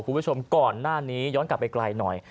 คุณผู้ชมก่อนหน้านี้ย้อนกลับไปไกลหน่อย